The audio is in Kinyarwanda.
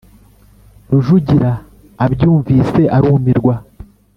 rujugira abyumvise arumirwa.